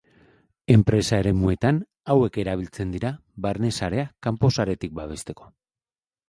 Enpresa eremuetan hauek erabiltzen dira barne sarea kanpo saretik babesteko.